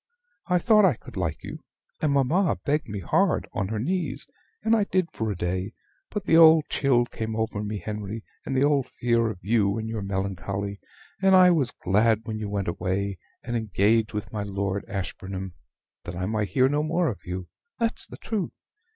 I thought I could like you; and mamma begged me hard, on her knees, and I did for a day. But the old chill came over me, Henry, and the old fear of you and your melancholy; and I was glad when you went away, and engaged with my Lord Ashburnham, that I might hear no more of you, that's the truth.